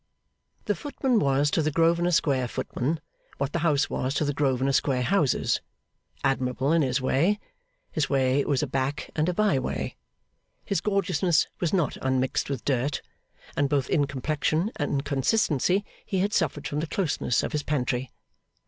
The footman was to the Grosvenor Square footmen, what the house was to the Grosvenor Square houses. Admirable in his way, his way was a back and a bye way. His gorgeousness was not unmixed with dirt; and both in complexion and consistency he had suffered from the closeness of his pantry.